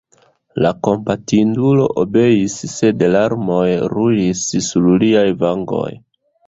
La kompatindulo obeis, sed larmoj rulis sur liaj vangoj.